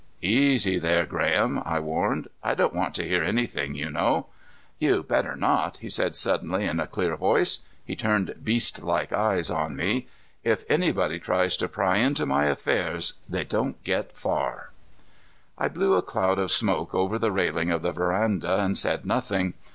"Easy there, Graham," I warned. "I don't want to hear anything, you know." "You better not," he said suddenly, in a clear voice. He turned beastlike eyes on me. "If anybody tries to pry into my affairs, they don't get far." I blew a cloud of smoke over the railing of the veranda and said nothing.